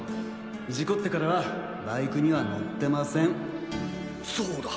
事故ってからはバイクには乗ってませんそうだ。